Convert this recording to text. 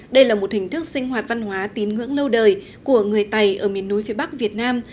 đây là một hình thức sinh hoạt văn hóa tín ngưỡng lâu đời của người tày ở miền núi phía bắc việt nam